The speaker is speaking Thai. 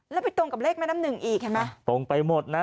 แล้วไปตรงกับเลขแม่น้ำหนึ่งอีกเห็นไหมตรงไปหมดนะ